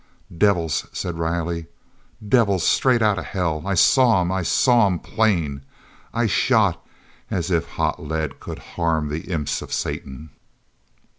"Devils!" said Riley. "Devils, straight out o' hell!... I saw 'em—I saw 'em plain!... I shot—as if hot lead could harm the imps of Satan....